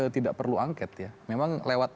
tidak perlu angket ya memang lewat